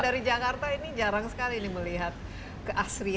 kalau kita dari jakarta ini jarang sekali melihat keasrian semua